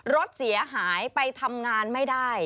รถเสียหายไปทำงานไม่ได้